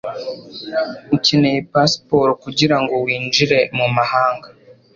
Ukeneye pasiporo kugirango winjire mumahanga.